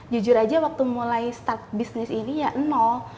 jujur aja waktu mulai start bisnis ini ya nol